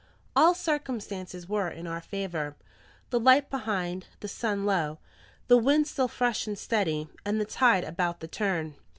All circumstances were in our favour, the light behind, the sun low, the wind still fresh and steady, and the tide about the turn.